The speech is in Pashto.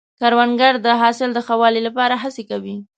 کروندګر د حاصل د ښه والي لپاره هڅې کوي